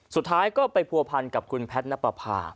สุดท้ายก็ไปผัวพันกับคุณแพทย์นับประพา